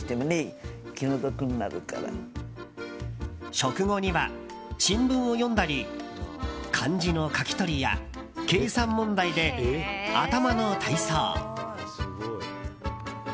食後には新聞を読んだり漢字の書き取りや計算問題で頭の体操。